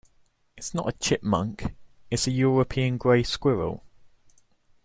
It's not a chipmunk: it's a European grey squirrel.